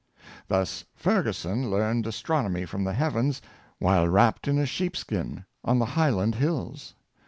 Thus Ferguson learned astronomy from the heavens while wrapt in a sheep skin on the highland hills.